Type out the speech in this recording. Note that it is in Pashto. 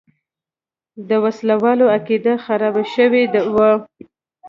د وسله والو عقیده خرابه شوې وه.